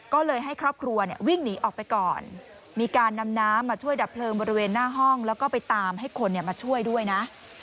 ก็เลยให้ครอบครัวเนี่ยวิ่งหนีออกไปก่อนมีการนำน้ำมาช่วยดับเพลิงบริเวณหน้าห้องแล้วก็ไปตามให้คนมาช่วยด้วยนะ